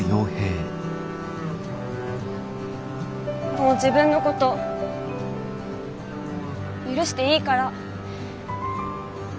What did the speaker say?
もう自分のこと許していいから。